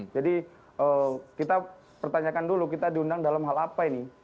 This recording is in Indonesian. jadi kita pertanyakan dulu kita diundang dalam hal apa ini